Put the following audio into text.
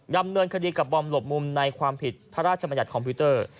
ดำเนินคดีกับบอมหลบมุมในความผิดพระราชมัญญัติคอมพิวเตอร์